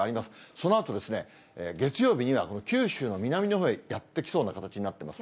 そのあと月曜日には九州の南のほうへやって来そうな形になっています。